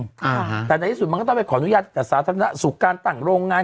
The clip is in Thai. แต่ในยังไงจีบมันก็ต้องไปขออนุญาตกับสาธารณะศุกร์ต่างโรงงาน